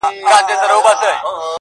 هم نسترن هم یې چینار ښکلی دی-